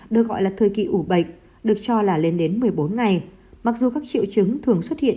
được gọi là thời kỳ ủ bệnh được cho là lên đến một mươi bốn ngày mặc dù các triệu chứng thường xuất hiện